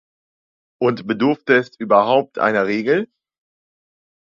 Und bedurfte es überhaupt einer Regel?